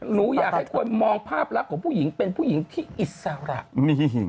หนูอยากให้คนมองภาพลักษณ์ของผู้หญิงเป็นผู้หญิงที่อิสระ